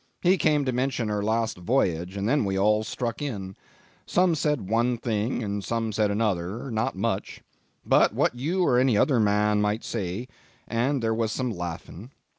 He came to mention her last voyage, and then we all struck in. Some said one thing and some another not much what you or any other man might say; and there was some laughing.